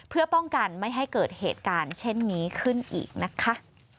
เพื่อป้องกันไม่ให้เกิดเหตุการณ์เช่นนี้ขึ้นอีกนะคะ